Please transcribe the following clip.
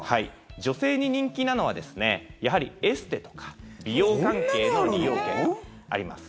女性に人気なのはやはりエステとか美容関係の利用券があります。